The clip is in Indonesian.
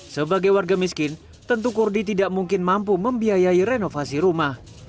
sebagai warga miskin tentu kurdi tidak mungkin mampu membiayai renovasi rumah